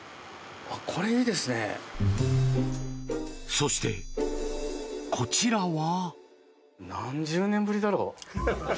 そして、こちらは。